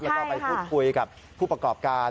แล้วก็ไปพูดคุยกับผู้ประกอบการ